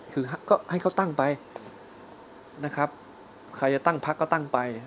คือก็ให้เขาตั้งไปนะครับใครจะตั้งพักก็ตั้งไป